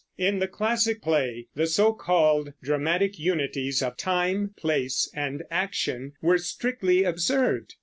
In the classic play the so called dramatic unities of time, place, and action were strictly observed.